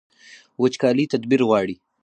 وچکالي تدبیر غواړي